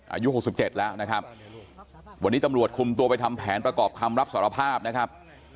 อายุ๖๗แล้วนะครับวันนี้ตำรวจคุมตัวไปทำแผนประกอบคำรับสารภาพนะครับ